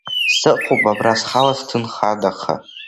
Сыҟоуп абра схала сҭынхадаха.